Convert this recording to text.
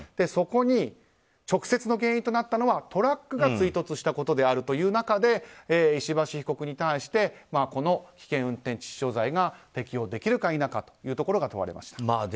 そこに直接の原因となったのはトラックが追突したことであるという中で石橋被告に対してこの危険運転致死傷罪が適用できるか否かというところが問われました。